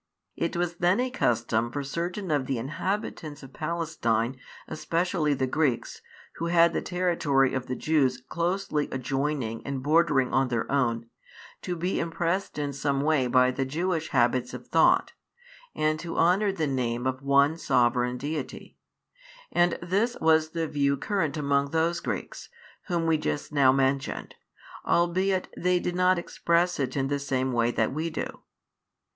It was then a custom for certain of the inhabitants of Palestine, especially the Greeks, who had the territory of the Jews closely adjoining and bordering on their own, to be impressed in some way by the Jewish habits of thought, and to honour the name of One Sovereign [Deity]; and this was the view current among those Greeks, whom we just now mentioned, albeit they did not express it in the same way that we do.